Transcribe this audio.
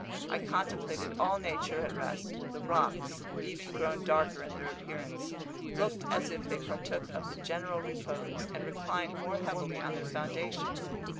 I contemplated all Nature at rest; the rocks, even grown darker in their appearance, looked as if they partook of the general repose, and reclined more heavily on their foundation.